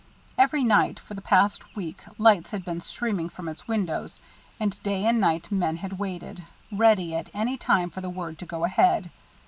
Every night for the past week lights had been streaming from its windows, and day and night men had waited, ready at any time for the word to go ahead.